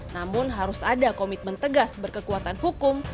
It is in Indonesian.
namun harus ada komitmen tegas berkekuatan hukum